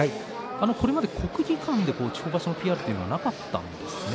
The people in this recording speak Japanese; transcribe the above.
これまで国技館で地方場所のＰＲというのはなかったんですね。